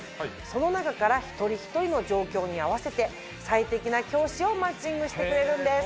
その中から一人一人の状況に合わせて最適な教師をマッチングしてくれるんです。